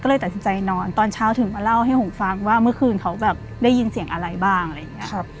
ก็เลยตัดสินใจนอนตอนเช้าถึงมาเล่าให้ผมฟังว่าเมื่อคืนเขาแบบได้ยินเสียงอะไรบ้างอะไรอย่างนี้ครับ